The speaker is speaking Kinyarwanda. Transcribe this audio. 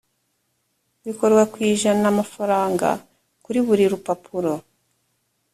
bikorwa ku ijana frw kuri buri rupapuro